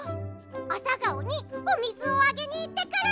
アサガオにおみずをあげにいってくる！